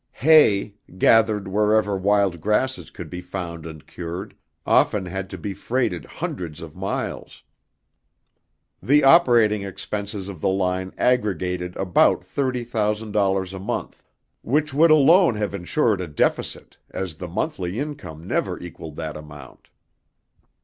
Hay, gathered wherever wild grasses could be found and cured, often had to be freighted hundreds of miles. The operating expenses of the line aggregated about thirty thousand dollars a month, which would alone have insured a deficit as the monthly income never equaled that amount.